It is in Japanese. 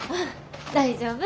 大丈夫。